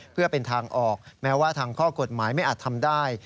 เพื่อเป็นทางออกแม้ว่าทางข้อกฎหมายไม่อาจทำได้